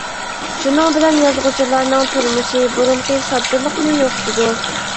شۇنىڭ بىلەن يازغۇچىلارنىڭ تۇرمۇشى بۇرۇنقى ساددىلىقنى يوقىتىدۇ.